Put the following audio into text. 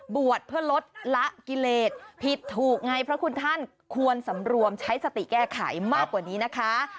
บวชเพื่อลดละกิเลสผิดถูกไงพระคุณท่านควรสำรวมใช้สติแก้ไขมากกว่านี้นะคะ